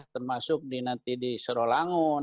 termasuk nanti di serolangun